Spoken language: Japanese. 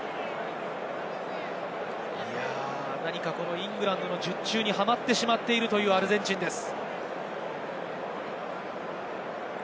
イングランドの術中にハマってしまっているというアルゼンチンです。